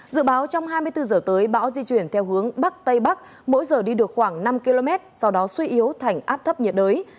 dự báo trong hai mươi bốn h tới bão di chuyển theo hướng bắc tây bắc mỗi giờ đi được khoảng năm km sau đó suy yếu thành áp thấp nhiệt đới